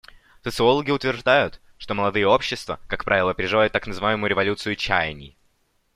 Социологи утверждают, что молодые общества, как правило, переживают так называемую «революцию чаяний».